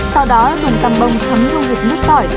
sau đó dùng tâm bông thấm dung dịch nước tỏi